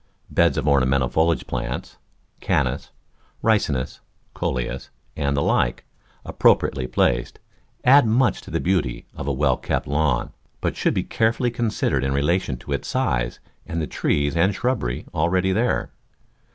Beds of ornamental foliage plants — Cannas, Ricinus, Coleus, and the like — appropriately placed, add much to the beauty of a well kept lawn, but should be carefully considered in relation to its size and the trees and shrubbery already there.